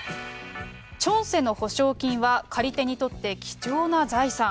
チョンセの保証金は借り手にとって貴重な財産。